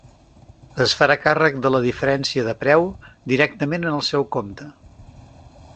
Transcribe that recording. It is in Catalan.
Es farà el càrrec de la diferència de preu directament en el seu compte.